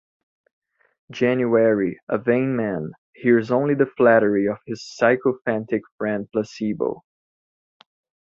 Januarie, a vain man, hears only the flattery of his sycophantic friend Placebo.